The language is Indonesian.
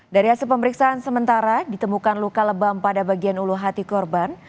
dari hasil pemeriksaan sementara ditemukan luka lebam pada bagian ulu hati korban